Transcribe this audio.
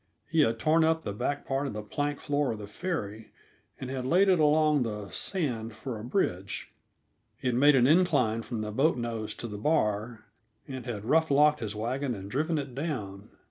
He had torn up the back part of the plank floor of the ferry, and had laid it along the sand for a bridge. He had made an incline from boat nose to the bar, and had rough locked his wagon and driven it down.